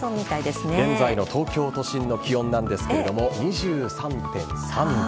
現在の東京都心の気温なんですが２３．３度。